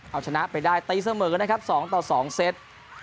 เอาชนะไปได้ตีเสมอนะครับ๒ต่อ๒เซต